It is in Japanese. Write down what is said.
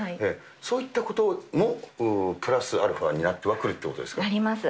そういったこともプラスアルファにはなってくるということでなります。